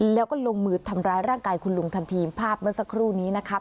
แล้วก็ลงมือทำร้ายร่างกายคุณลุงทันทีภาพเมื่อสักครู่นี้นะครับ